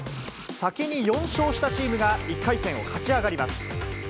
先に４勝したチームが１回戦を勝ち上がります。